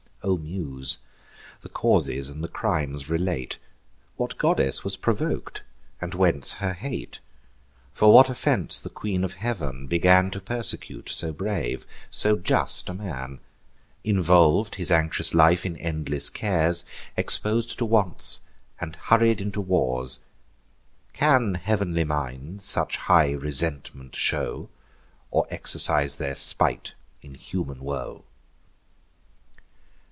O Muse! the causes and the crimes relate; What goddess was provok'd, and whence her hate; For what offence the Queen of Heav'n began To persecute so brave, so just a man; Involv'd his anxious life in endless cares, Expos'd to wants, and hurried into wars! Can heav'nly minds such high resentment show, Or exercise their spite in human woe?